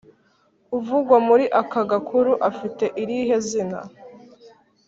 Uvugwa muri aka gakuru afite irihe zina?